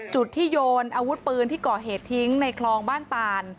จุดที่โยนอาวุธปืนที่ก่อเหตุทิ้งในคลองบ้านตาน